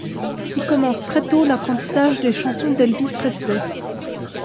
Il commence très tôt l'apprentissage des chansons d'Elvis Presley.